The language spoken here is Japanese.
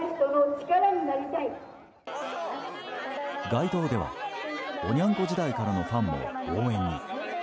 街頭ではおニャン子時代からのファンも応援に。